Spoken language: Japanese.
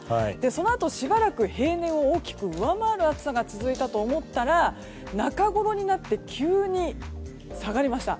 その後しばらく平年を大きく上回る暑さが続いたと持ったら中ごろになって急に下がりました。